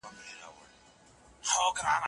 د هرات په صنعت کي د پانګې اچونې ګټې څه دي؟